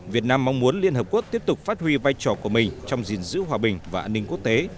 việt nam mong muốn liên hợp quốc tiếp tục phát huy vai trò của mình trong gìn giữ hòa bình và an ninh quốc tế